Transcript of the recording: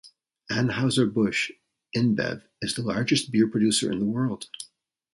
Anheuser-Busch InBev is the largest beer producer in the world.